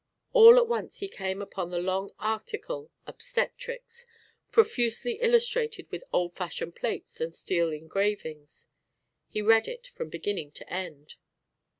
All at once he came upon the long article "Obstetrics," profusely illustrated with old fashioned plates and steel engravings. He read it from beginning to end.